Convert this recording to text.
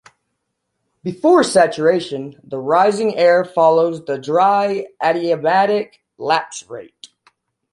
Before saturation, the rising air follows the dry adiabatic lapse rate.